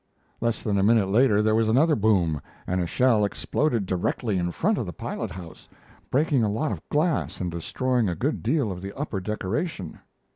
Less than a minute later there was another boom, and a shell exploded directly in front of the pilot house, breaking a lot of glass and destroying a good deal of the upper decoration.